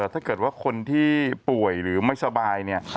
ถ้าเกิดว่าคนที่ป่วยหรือไม่สบายเนี่ย